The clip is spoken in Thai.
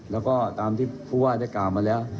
แล้วก็ตามที่ผู้ว่าได้กล่าวมาแล้ว